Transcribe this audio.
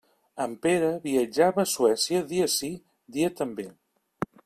En Pere viatjava a Suècia dia sí, dia també.